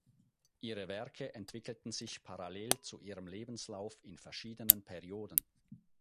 Ihre Werke entwickelten sich parallel zu ihrem Lebenslauf in verschiedenen Perioden.